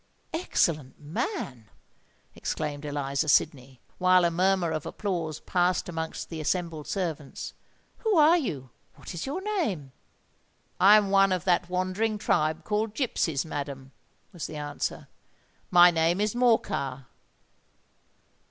"Excellent man!" exclaimed Eliza Sydney, while a murmur of applause passed amongst the assembled servants: "who are you? what is your name?" "I am one of that wandering tribe called Gipsies, madam," was the answer: "and my name is Morcar."